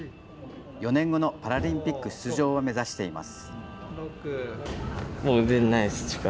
４年後のパラリンピック出場を目指しています。